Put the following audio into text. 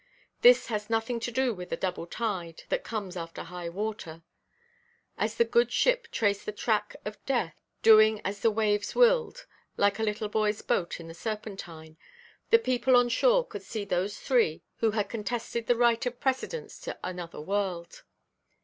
This has nothing to do with the "double tide;" that comes after high–water. As the good ship traced the track of death, doing as the waves willed (like a little boyʼs boat in the Serpentine), the people on shore could see those three, who had contested the right of precedence to another world.